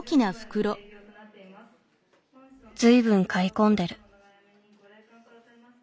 随分買い込んでる。